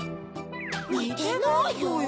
にてないぞよ。